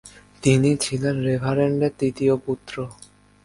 তিনি ছিলেন রেভারেন্ডের তৃতীয় পুত্র।